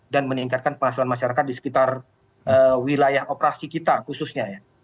dan meningkatkan penghasilan masyarakat di sekitar wilayah operasi kita khususnya ya